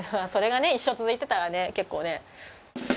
それがね一生続いてたらね結構ね。